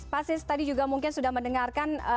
pak sis tadi juga mungkin sudah mendengarkan